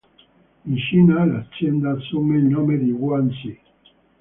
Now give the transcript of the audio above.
In Cina l'azienda assume il nome di Guan Zhi.